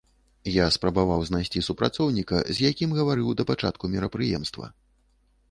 Я спрабаваў знайсці супрацоўніка, з якім гаварыў да пачатку мерапрыемства.